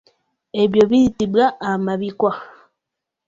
Ebyo biyitibwa amabikwa.